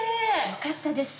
よかったです。